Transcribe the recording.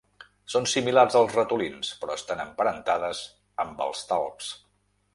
Són similars als ratolins, però estan emparentades amb els talps.